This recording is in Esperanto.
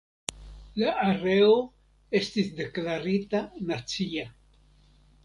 La areo estis deklarita nacia.